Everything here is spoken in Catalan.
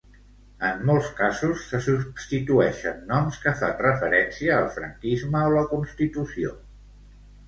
En molts casos se substitueixen noms que fan referència al franquisme o la Constitució.